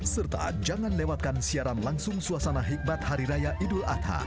serta jangan lewatkan siaran langsung suasana hikmat hari raya idul adha